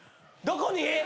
どこに！？